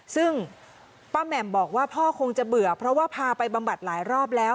ซึ่งป้าแหม่มบอกว่าพ่อคงจะเบื่อเพราะว่าพาไปบำบัดหลายรอบแล้ว